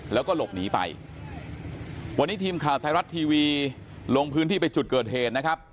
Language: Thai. แล้วก็หลบหนีไปวันนี้ทีมข่าวไทยรัฐทีวีลงพื้นที่ไปจุดเกิดเหตุนะครับ